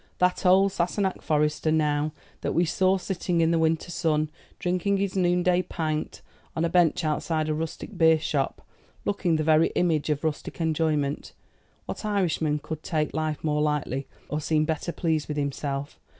That old Sassenach Forester, now, that we saw sitting in the winter sun, drinking his noon day pint, on a bench outside a rustic beer shop, looking the very image of rustic enjoyment what Irishman could take life more lightly or seem better pleased with himself?